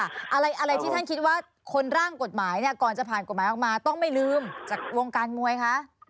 อะไรที่ท่านคิดว่าคนร่างกฎหมายเนี่ยก่อนจะผ่านกฎหมายออกมาต้องไม่ลืมจากวงการมวยคะ